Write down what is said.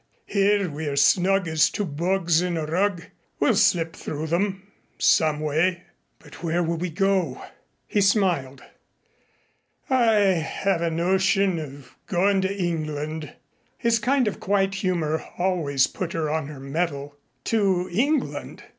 Here we are snug as two bugs in a rug. We'll slip through them some way." "But where will we go?" He smiled. "I have a notion of goin' to England." His kind of quiet humor always put her on her mettle. "To England